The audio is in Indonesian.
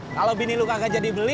kalau bini lu kagak jadi beli